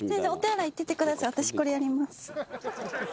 私これやります。